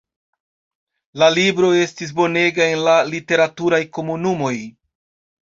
La libro estis bonega en la literaturaj komunumoj.